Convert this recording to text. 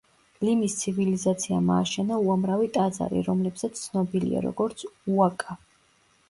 ლიმის ცივილიზაციამ ააშენა უამრავი ტაძარი, რომლებსაც ცნობილია, როგორც უაკა.